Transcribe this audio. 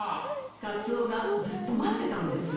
カツオがずっと待ってたんですよ。